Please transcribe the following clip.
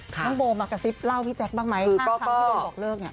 น้องโบมากระซิบเล่าพี่แจ๊คบ้างไหมครั้งที่โดนบอกเลิกเนี่ย